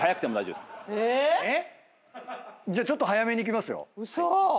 ⁉じゃあちょっと速めにいきますよ。